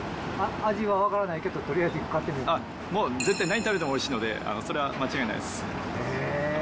味は分からないけど、もう、絶対何食べてもおいしいので、それは間違いないです。